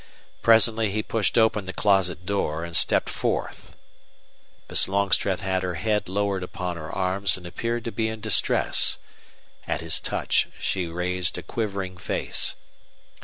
Presently he pushed open the closet door and stepped forth. Miss Longstreth had her head lowered upon her arms and appeared to be in distress. At his touch she raised a quivering face.